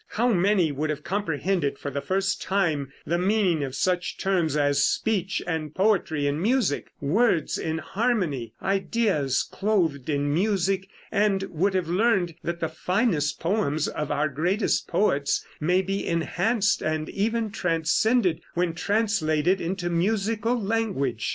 How many would have comprehended for the first time the meaning of such terms as speech and poetry in music; words in harmony, ideas clothed in music, and would have learned that the finest poems of our greatest poets may be enhanced and even transcended when translated into musical language.